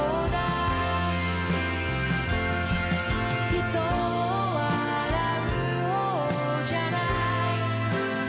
「人を笑う方じゃない」